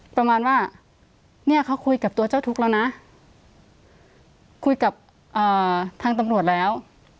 ประมาณว่าเนี่ยเขาคุยกับตัวเจ้าทุกข์แล้วนะคุยกับทางตำรวจแล้ว